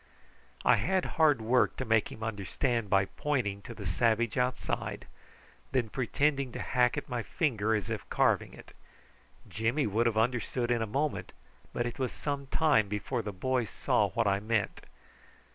I had hard work to make him understand by pointing to the savage outside, and then pretending to hack at my finger as if carving it. Jimmy would have understood in a moment, but it was some time before the boy saw what I meant.